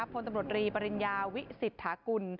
พลตำรวจรีปริญญาวิสิทธากุล